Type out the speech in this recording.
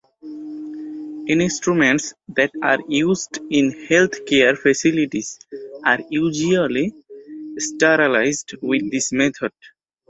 Instruments that are used in health care facilities are usually sterilized with this method.